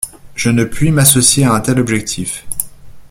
Je ne puis m’associer à un tel objectif.